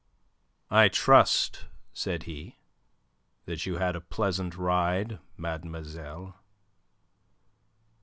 "I trust," said he, "that you had a pleasant ride, mademoiselle."